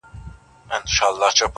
په جرګو کي به ګرېوان ورته څیرمه؛